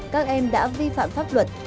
các em đã vi phạm pháp luật